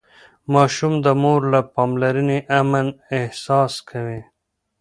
ماشوم د مور له پاملرنې امن احساس کوي.